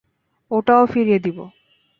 ওটাও ফিরিয়ে দিবো।